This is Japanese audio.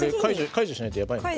解除しないとやばい。